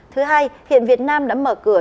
thứ hai hiện việt nam đã mở cửa